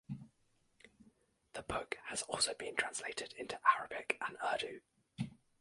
The book has also been translated into Arabic and Urdu.